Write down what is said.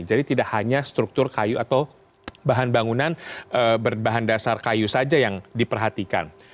jadi tidak hanya struktur kayu atau bahan bangunan berbahan dasar kayu saja yang diperhatikan